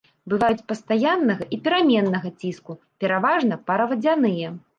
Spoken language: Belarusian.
Бываюць пастаяннага і пераменнага ціску, пераважна паравадзяныя.